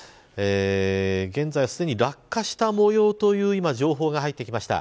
現在すでに落下したもようという情報が入ってきました。